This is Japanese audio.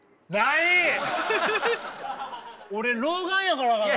俺老眼やからかな？